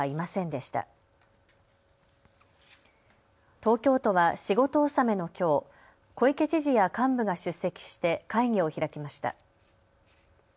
東京都は仕事納めのきょう、小池知事や幹部が出席して会議を開きました。